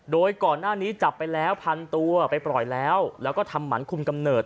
โดยก่อนหน้านี้จับไปแล้วพันตัวไปปล่อยแล้วแล้วก็ทำหมันคุมกำเนิด